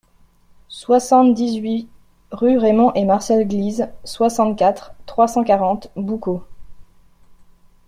soixante-dix-huit rue Raymond et Marcel Glize, soixante-quatre, trois cent quarante, Boucau